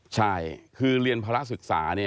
ใช่คือเรียนภาระศึกษา